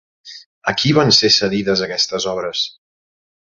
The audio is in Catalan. A qui van ser cedides aquestes obres?